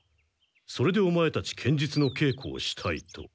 それでオマエたち剣術のけいこをしたいと。